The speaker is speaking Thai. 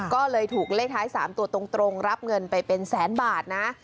ก็เลยถูกเลขท้าย๓ตัวตรงรับเงินไปเป็นแสนบาทนะ